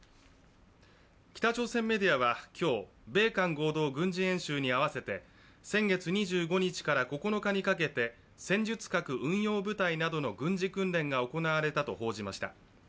北朝鮮メディアは今日、米韓合同軍事演習に合わせて先月２５日から９日にかけて戦術核運用部隊などの軍事訓練が行われたと報じました。